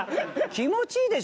気持ちいいでしょ？